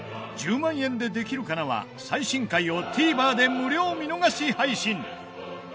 『１０万円でできるかな』は最新回をＴＶｅｒで無料見逃し配信！